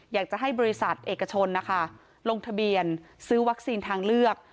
อยากจะให้บริษัทเอกชนนะคะลงทะเบียนซื้อวัคซีนทางเลือก